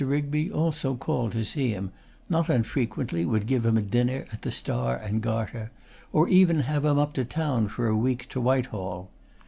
Rigby also called to see him, not unfrequently would give him a dinner at the Star and Garter, or even have him up to town for a week to Whitehall.